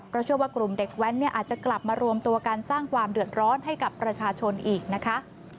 เพราะเชื่อว่ากลุ่มเด็กแว้นเนี่ยอาจจะกลับมารวมตัวกันสร้างความเดือดร้อนให้กับประชาชนอีกนะคะ